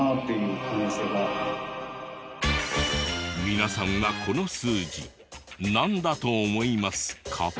皆さんはこの数字なんだと思いますか？